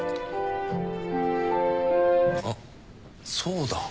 あっそうだ。